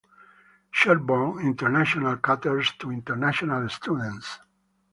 Sherborne International caters to international students.